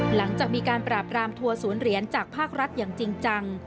หลังจากมีการปราบรามทัวร์ศูนย์เหรียญจากภาครัฐอย่างจริงจัง